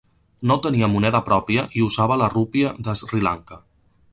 No tenia moneda pròpia i usava la Rupia de Sri Lanka.